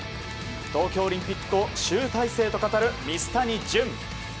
東京オリンピックを集大成と語る水谷隼。